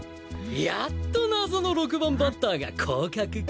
やっと謎の６番バッターが降格か。